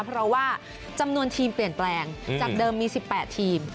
เพราะว่าจำนวนทีมเปลี่ยนแปลงจากเดิมมี๑๘ทีม